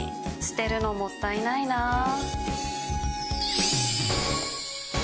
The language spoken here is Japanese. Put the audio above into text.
捨てるのもったいないなぁ